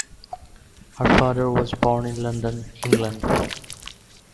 Her father was born in London, England.